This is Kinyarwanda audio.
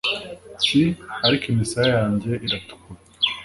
Ki ariko imisaya yanjye iratukura